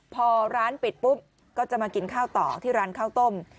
พอร้านปิดปุ๊บก็จะมากินข้าวต่อที่ร้านข้าวต้ม